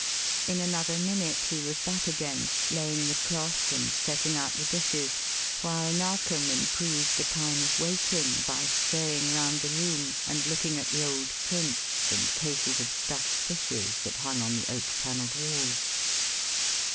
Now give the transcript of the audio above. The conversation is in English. In another minute he was back again, laying the cloth and setting out the dishes, while Narkom improved the time of waiting by straying round the room and looking at the old prints and cases of stuffed fishes that hung on the oak panelled walls.